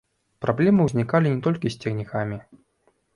Праблемы ўзнікалі не толькі з цягнікамі.